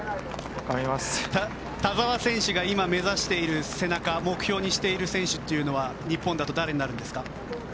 田澤選手が今、目指している背中目標にしている選手というのは日本だと誰になるんですか？